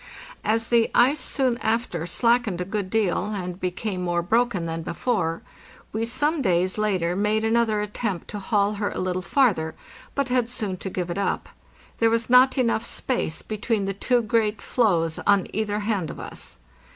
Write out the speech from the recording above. As the ice soon after slackened a good deal, and became more broken than before, we some days later made another attempt to haul her a little farther, but had soon to give it up; there was not enough space between the two great floes on either hand of us.